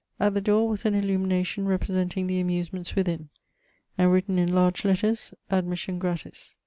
At the door was an illumination representing the amusements >vithin ; and written in large letters : admission gratis.